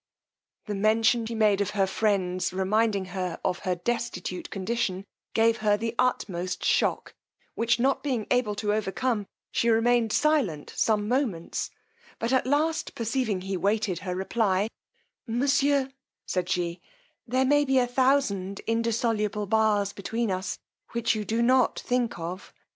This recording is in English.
The mention he made of her friends reminding her of her destitute condition, gave her the utmost shock; which not being able to overcome, she remained silent some moments; but at last perceiving he waited her reply, monsieur, said she, there may be a thousand indissoluble bars between us which you do not think of.